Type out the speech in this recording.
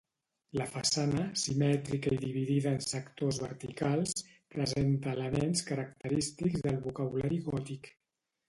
La façana, simètrica i dividida en sectors verticals, presenta elements característics del vocabulari gòtic.